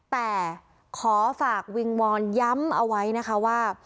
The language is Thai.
แต่ขอฝากวิงวอนย้ำเอาไว้นะคะว่า